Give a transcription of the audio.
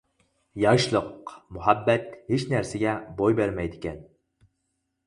ياشلىق، مۇھەببەت ھېچ نەرسىگە بوي بەرمەيدىكەن.